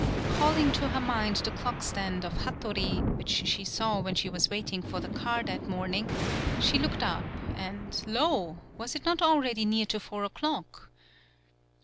Calling to her mind the 101 PAULOWNIA clockstand of Hattori, which she saw when she was waiting for the car that morning, she looked up, and lo! was it not already near to four o'clock!